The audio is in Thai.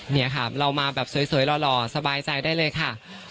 นี่ค่ะเรามาแบบสวยหล่อสบายใจได้เลยค่ะ